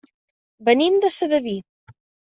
Venim de Sedaví.